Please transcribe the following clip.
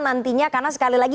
nantinya karena sekali lagi